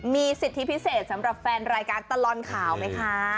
มีสิทธิพิเศษสำหรับแฟนรายการตลอดข่าวไหมคะ